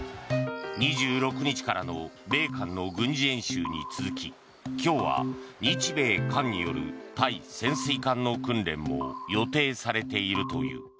２６日からの米韓の軍事演習に続き今日は日米韓による対潜水艦の訓練も予定されているという。